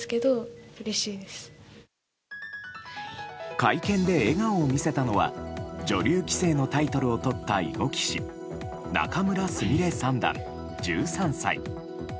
会見で笑顔を見せたのは女流棋聖のタイトルをとった囲碁棋士仲邑菫三段、１３歳。